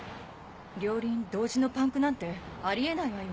両輪同時のパンクなんてあり得ないわよ。